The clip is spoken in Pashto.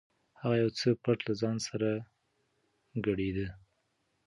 هغه یو څه پټ له ځانه سره ګړېده.